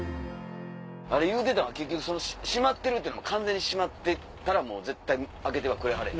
言うてたんは結局閉まってるっていうのは完全に閉まってたら絶対開けてくれはらへん？